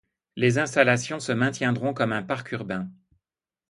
Les installations se maintiendront comme un parc urbain.